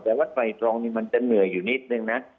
แต่วัดไตรตรองนี่มันจะเหนื่อยอยู่นิดนึงนะ